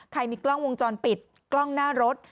มีกล้องวงจรปิดกล้องหน้ารถ